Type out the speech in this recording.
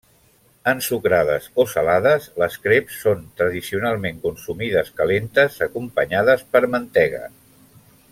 Ensucrades o salades, les creps són tradicionalment consumides calentes acompanyades per mantega.